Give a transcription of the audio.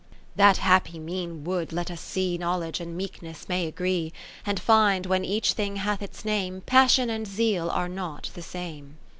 XVII That happy mean would let us see Knowledge and Meekness may agree ; And find, when each thing hath its name, Passion and Zeal are not the same.